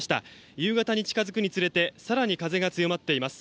夕方に近づくにつれて更に風が強まっています。